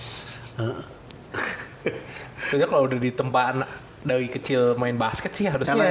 sebenernya kalo udah ditempaan dari kecil main basket sih harusnya